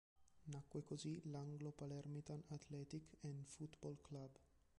Nacque così l"'Anglo-Palermitan Athletic and Foot-Ball Club".